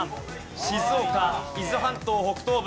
静岡伊豆半島北東部。